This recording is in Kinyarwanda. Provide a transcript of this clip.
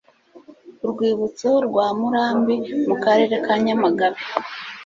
uwibutso rwa murambi mu karere ka nyamagabe